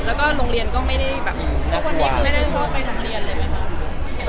แล้วก็โรงเรียนก็ไม่ได้แบบ